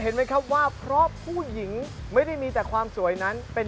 เห็นไหมครับว่าเพราะผู้หญิงไม่ได้มีแต่ความสวยนั้นเป็น